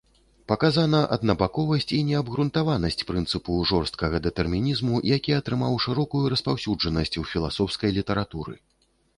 Паказана аднабаковасць і неабгрунтаванасць прынцыпу жорсткага дэтэрмінізму, які атрымаў шырокую распаўсюджанасць у філасофскай літаратуры.